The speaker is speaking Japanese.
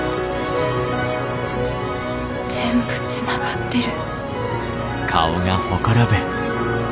全部つながってる。